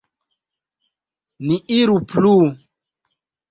Ni iru plu.